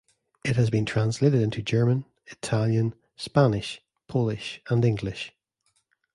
It has been translated into German, Italian, Spanish, Polish, and English.